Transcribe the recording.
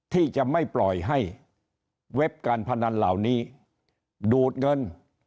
ที่จะไม่ปล่อยให้เว็บการพนันเหล่านี้ดูดเงิน